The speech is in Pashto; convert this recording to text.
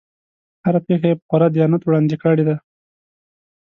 هره پېښه یې په خورا دیانت وړاندې کړې ده.